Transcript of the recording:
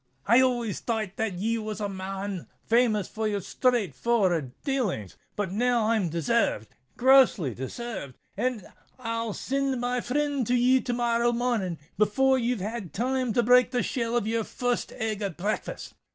"I always thought that ye was a man famous for your straight for'ard dalings; but I'm desayved—grossly desayved;—and I'll sind my frind to ye to morrow mornin', before you've had time to break the shell of your first egg at breakfast."